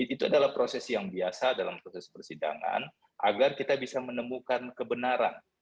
itu adalah proses yang biasa dalam proses persidangan agar kita bisa menemukan kebenaran